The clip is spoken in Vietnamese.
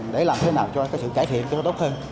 để làm thế nào cho cái sự cải thiện cho nó tốt hơn